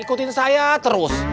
ikutin saya terus